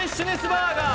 バーガー